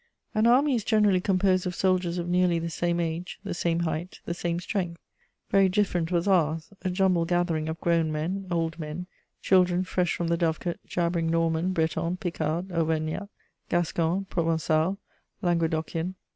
An army is generally composed of soldiers of nearly the same age, the same height, the same strength. Very different was ours, a jumbled gathering of grown men, old men, children fresh from the dovecot, jabbering Norman, Breton, Picard, Auvergnat, Gascon, Provençal, Languedocian.